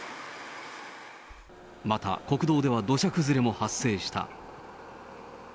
また、国道では土砂崩れも発生した。